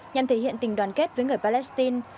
nhằm thể hiện tình đoàn kết với người palestine